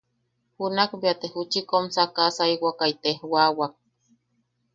Junakbea te ju- chi kom sakasaiwakai tejwawak.